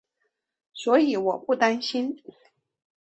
所以我不担心